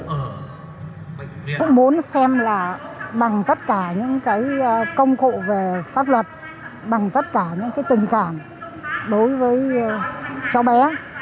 tôi muốn xem là bằng tất cả những cái công cụ về pháp luật bằng tất cả những cái tình cảm đối với cháu bé